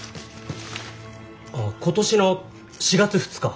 あ今年の４月２日。